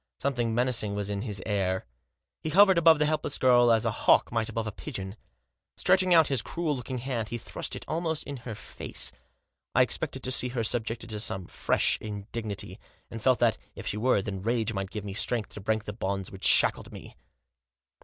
Something menacing was in his air. He hovered above the helpless girl as a hawk might above a pigeon. Stretching out his cruel looking hand he thrust it almost in her face. I expected to see her subjected to some fresh indignity, and felt that, if she were, then rage might give me strength to break the bonds which shackled me.